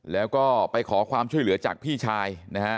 แล้วก็ไปขอความช่วยเหลือจากพี่ชายนะฮะ